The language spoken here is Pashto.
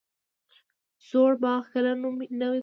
زوړ باغ کله نوی کړم؟